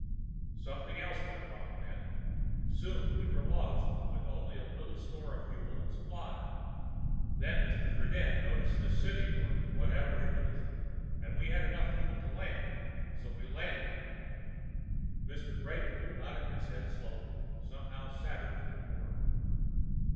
Something else went wrong then, soon we were lost with only a little store of fuel and supplies. Then Mr. Friden noticed this city or whatever it is and we had enough fuel to land so we landed." Mr. Greypoole nodded his head slowly, somehow, sadder than before.